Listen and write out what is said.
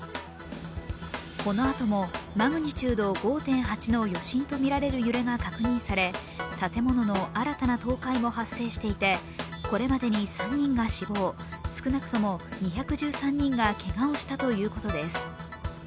このあとも、マグニチュード５．８の余震とみられる揺れが確認され建物の新たな倒壊も発生していてこれまでに３人が死亡少なくとも２１３人がけがをしたということです。